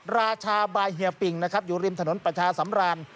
ราชาบายเฮียปิงนะครับอยู่ริมถนนประชาสำราญ